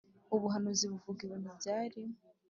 Ubuhanuzi buvuga ibintu byari